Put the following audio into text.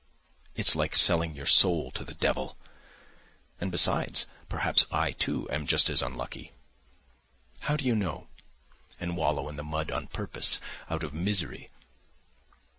It's like selling your soul to the devil.... And besides ... perhaps, I too, am just as unlucky—how do you know—and wallow in the mud on purpose, out of misery?